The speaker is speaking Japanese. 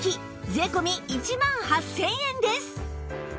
税込１万８０００円です！